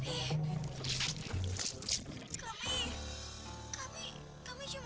untuk melakukan si banting